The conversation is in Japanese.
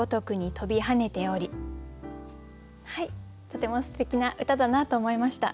とてもすてきな歌だなと思いました。